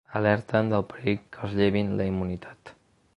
Alerten del perill que els llevin la immunitat.